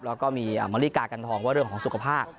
แล้วก็มีมาริกากันทองว่าเรื่องของสุขภาพ